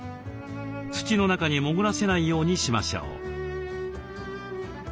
土の中に潜らせないようにしましょう。